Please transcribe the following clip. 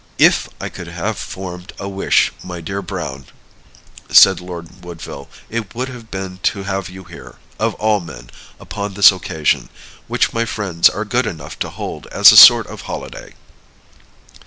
"If I could have formed a wish, my dear Browne," said Lord Woodville, "it would have been to have you here, of all men, upon this occasion, which my friends are good enough to hold as a sort of holiday.